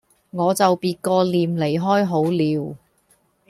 我就別過臉離開好了